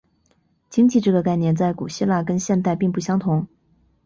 经济这个概念在古希腊跟现代并不相同。